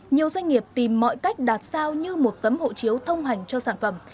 nhiều doanh nghiệp tìm mọi cách đạt sao như một tấm hộ chiếu thông hành cho sản phẩm